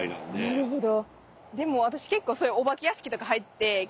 なるほど。